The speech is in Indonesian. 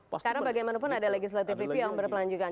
karena bagaimanapun ada legislative review yang berpelanjukan